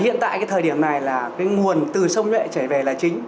hiện tại cái thời điểm này là cái nguồn từ sông nhuệ trở về là chính